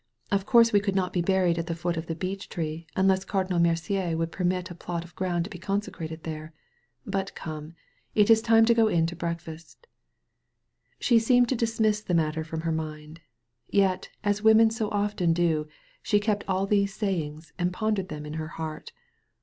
Of course we could not be buried at the foot of the beech tree unless Cardinal Mercier would permit a plot of ground to be consecrated there. But come, it is time to go in to breakfast." She seemed to dismiss the matter from her mind. Yet, as women so often do, she kept all these sayings and pondered them in her heart.